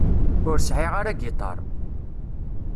Ur sεiɣ ara agiṭar.